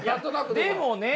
でもね！